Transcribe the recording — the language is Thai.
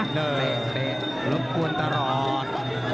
เลยเตะรบกวนตลอด